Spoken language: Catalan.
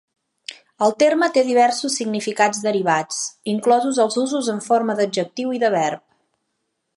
El terme té diversos significats derivats, inclosos els usos en forma d'adjectiu i de verb.